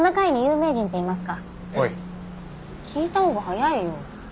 聞いたほうが早いよ。